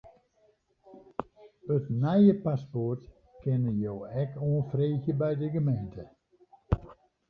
It nije paspoart kinne jo ek oanfreegje by de gemeente.